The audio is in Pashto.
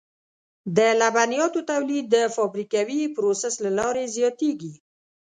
د لبنیاتو تولید د فابریکوي پروسس له لارې زیاتېږي.